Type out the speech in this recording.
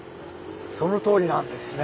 そのとおりなんですね。